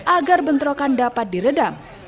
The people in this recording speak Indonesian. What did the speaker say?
agar bentrokan dapat diredam